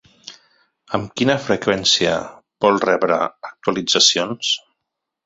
Amb quina freqüència vols rebre actualitzacions.